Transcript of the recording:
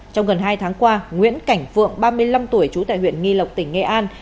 trong gần hai tháng qua nguyễn cảnh phượng ba mươi năm tuổi trú tại huyện nghi lộc tỉnh nghệ an